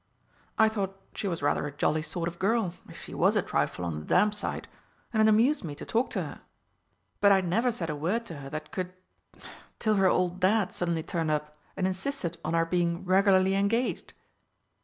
I thought she was rather a jolly sort of girl if she was a trifle on the damp side, and it amused me to talk to her, but I never said a word to her that could till her old Dad suddenly turned up and insisted on our being regularly engaged."